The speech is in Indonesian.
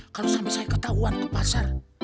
kalau sampai saya ketahuan ke pasar